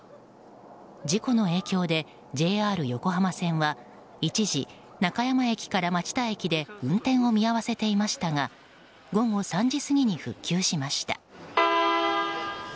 事故の影響でＪＲ横浜線は一時、中山駅から町田駅で運転を見合わせていましたが午後３時過ぎに復旧しました。